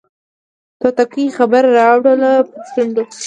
توتکۍ خبره راوړله پر شونډو